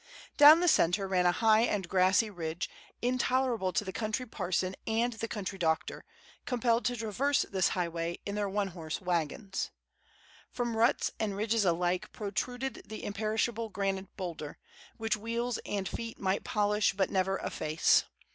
Down the centre ran a high and grassy ridge, intolerable to the country parson and the country doctor, compelled to traverse this highway in their one horse wagons. From ruts and ridges alike protruded the imperishable granite boulder, which wheels and feet might polish but never efface.